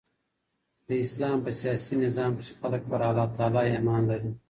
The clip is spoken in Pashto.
د اسلام په سیاسي نظام کښي خلک پر الله تعالي ایمان لري.